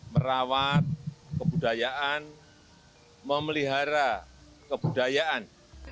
merawat kebudayaan memelihara kebudayaan